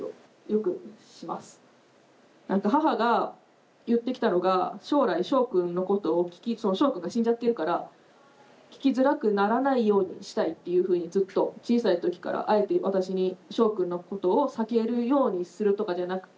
あと母が言ってきたのが将来しょうくんのことをそうしょうくんが死んじゃってるから聞きづらくならないようにしたいっていうふうにずっと小さいときからあえて私にしょうくんのことを避けるようにするとかじゃなくて。